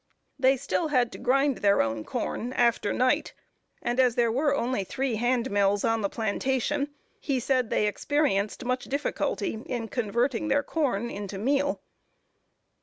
They still had to grind their own corn, after night; and as there were only three hand mills on the plantation, he said they experienced much difficulty in converting their corn into meal.